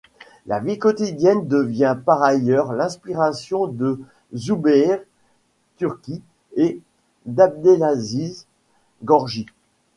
La vie quotidienne devient par ailleurs l'inspiration de Zoubeir Turki et d'Abdelaziz Gorgi.